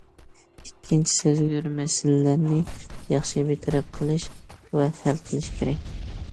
ئىككىنچى، سەزگۈر مەسىلىلەرنى ياخشى بىر تەرەپ قىلىش ۋە ھەل قىلىش كېرەك.